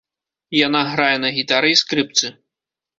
Яна грае на гітары і скрыпцы.